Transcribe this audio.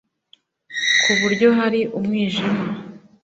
ku buryo hari mu mwijima